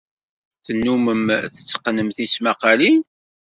Tennummem tetteqqnem tismaqqalin?